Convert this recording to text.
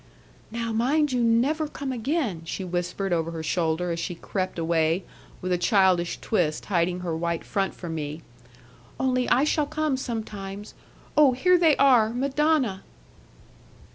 'Now mind you never come again,' she whispered over her shoulder, as she crept away with a childish twist hiding her white front from me; 'only I shall come sometimes oh, here they are, Madonna!'